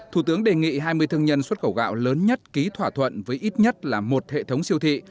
thủ tướng đề nghị hai mươi thương nhân xuất khẩu gạo lớn nhất ký thỏa thuận với ít nhất là một hệ thống siêu thị